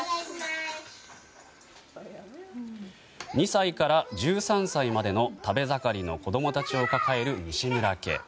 ２歳から１３歳までの食べ盛りの子供たちを抱える西村家。